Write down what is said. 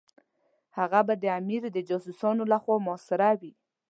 هغه به د امیر د جاسوسانو لخوا محاصره وي.